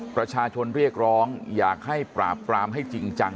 ประชาชนเรียกร้องอยากให้ปราบปรามให้จริงจัง